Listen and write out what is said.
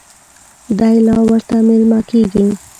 دی لا ورته مېلمه کېږي.